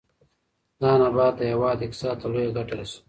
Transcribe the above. دا نبات د هېواد اقتصاد ته لویه ګټه رسوي.